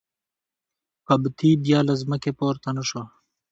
قبطي بیا له ځمکې پورته نه شو.